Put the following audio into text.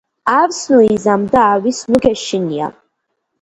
ავს ნუ იზამ და ავის ნუ გეშინია